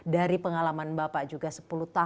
dari pengalaman bapak juga sepuluh tahun memimpin indonesia